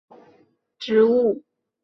美丽老牛筋为石竹科无心菜属的植物。